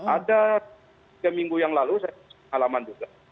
ada tiga minggu yang lalu saya halaman juga